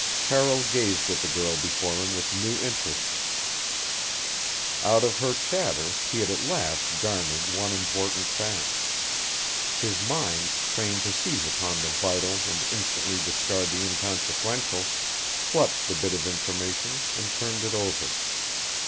Carroll gazed at the girl before him with new interest. Out of her chatter he had at last garnered one important fact. His mind, trained to seize upon the vital and instantly discard the inconsequential, clutched the bit of information, and turned it over.